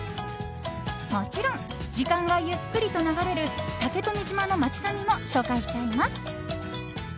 もちろん時間がゆっくりと流れる竹富島の街並みも紹介しちゃいます。